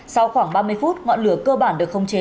sau khoảng ba mươi phút ngọn lửa cơ bản được không chế